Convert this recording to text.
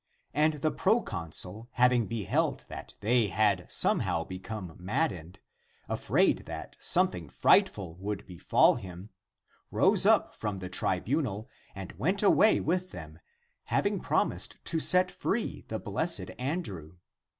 And the proconsul having beheld that they had somehow become maddened, afraid that something' frightful would befall him, rose up from the tribunal and went away with them, having prom ised to set free the blessed Andrew.